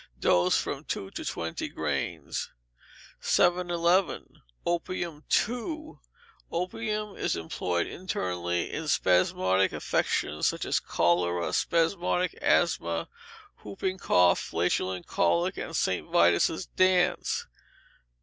Dose, from two to twenty grains. 711. Opium (2) Opium is employed internally in spasmodic affections, such as cholera, spasmodic asthma, hooping cough, flatulent colic, and St. Vitus's dance.